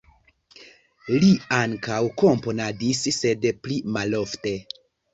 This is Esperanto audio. Li ankaŭ komponadis, sed pli malofte.